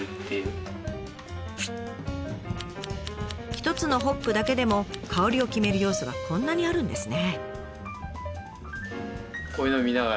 １つのホップだけでも香りを決める要素がこんなにあるんですね。